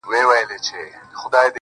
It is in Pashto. علم د بریا لار ده.